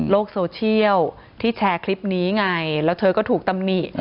โซเชียลที่แชร์คลิปนี้ไงแล้วเธอก็ถูกตำหนิ